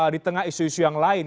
di tengah isu isu yang lain